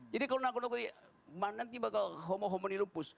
jadi kalau nanti bakal homo homini lupus